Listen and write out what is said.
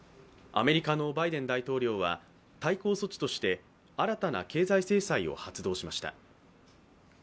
アメリカのバイデン大統領は対抗措置として新たな経済制裁を発動しました。